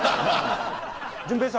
淳平さん！